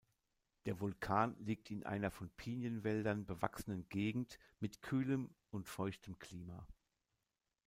Der Vulkan liegt in einer von Pinienwäldern bewachsenen Gegend mit kühlem und feuchtem Klima.